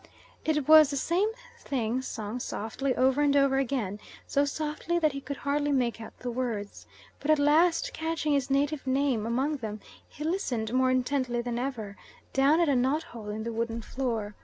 It was the same thing sung softly over and over again, so softly that he could hardly make out the words. But at last, catching his native name among them, he listened more intently than ever, down at a knot hole in the wooden floor.